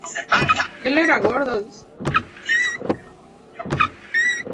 Puso en marcha el Instituto español de Historia Eclesiástica en Roma.